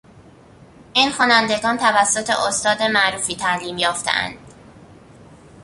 این خوانندگان توسط استاد معروفی تعلیم یافتهاند.